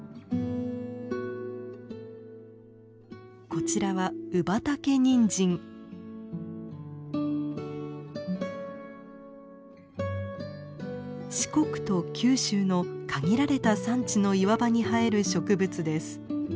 こちらは四国と九州の限られた山地の岩場に生える植物です。